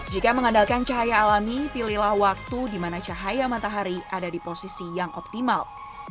jika mengandalkan cahaya alami pilihlah waktu di mana cahaya matahari ada di posisi yang optimal